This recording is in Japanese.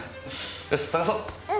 よし捜そう！